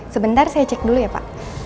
sebentar saya cek dulu ya pak